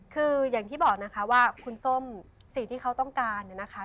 คืออย่างที่บอกนะคะว่าคุณส้มสิ่งที่เขาต้องการเนี่ยนะคะ